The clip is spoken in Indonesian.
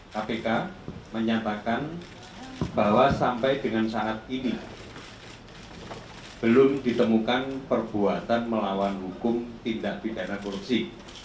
kpk menyatakan bahwa sampai dengan saat ini belum ditemukan perbuatan melawan hukum tindak pidana korupsi